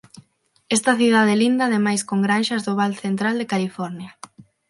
Esta cidade linda ademais con granxas do Val Central de California.